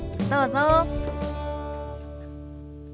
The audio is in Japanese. どうぞ。